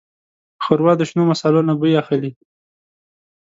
ښوروا د شنو مصالو نه بوی اخلي.